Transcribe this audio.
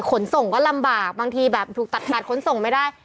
ขนส่งก็ลำบากบางทีตัดขนส่งไม่ได้